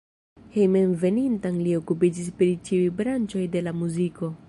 Hejmenveninta li okupiĝis pri ĉiuj branĉoj de la muziko.